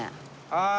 ああ！